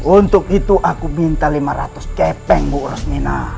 untuk itu aku minta lima ratus kepeng bu rosmina